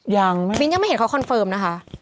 ยังไม่มิ้นยังไม่เห็นเขาคอนเฟิร์มนะคะ